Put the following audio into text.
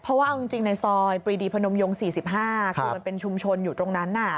เพราะว่าเอาจริงในซอยปรีดีพนมยง๔๕คือมันเป็นชุมชนอยู่ตรงนั้น